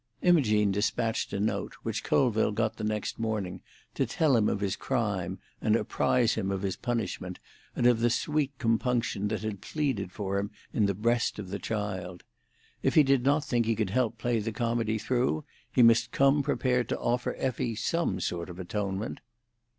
Imogene despatched a note, which Colville got the next morning, to tell him of his crime, and apprise him of his punishment, and of the sweet compunction that had pleaded for him in the breast of the child. If he did not think he could help play the comedy through, he must come prepared to offer Effie some sort of atonement.